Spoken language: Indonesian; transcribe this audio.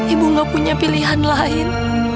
ibu gak punya pilihan lain